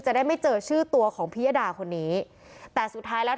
ได้ไม่เจอชื่อตัวของพิยดาคนนี้แต่สุดท้ายแล้ว